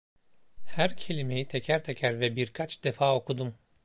Her kelimeyi teker teker ve birkaç defa okudum.